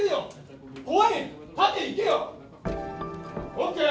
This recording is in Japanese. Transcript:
ＯＫ？